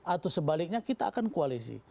atau sebaliknya kita akan koalisi